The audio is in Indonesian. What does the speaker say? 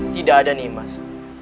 tidak ada nih mas